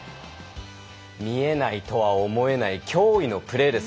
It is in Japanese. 見えないとは思えない驚異のプレーです。